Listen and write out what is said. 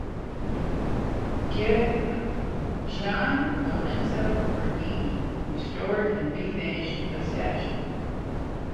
Gian Lorenzo Bernini restored and refinished the statue.